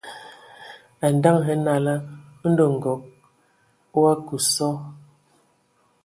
A ndǝŋə hm nala, ndɔ Nkɔg o akǝ sɔ,